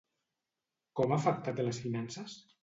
Com ha afectat les finances?